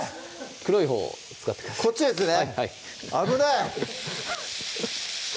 黒いほうを使ってくださいこっちですね危ない！